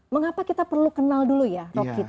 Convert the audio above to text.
mengapa kita perlu kenal dulu ya rok kita